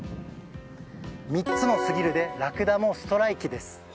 ３つのすぎるでラクダもストライキです。